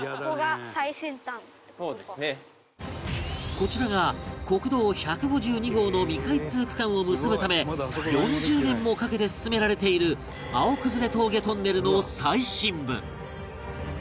こちらが国道１５２号の未開通区間を結ぶため４０年もかけて進められている青崩峠トンネルの最深部